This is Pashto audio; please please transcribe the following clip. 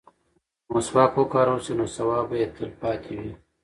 که مسواک وکارول شي نو ثواب به یې تل پاتې وي.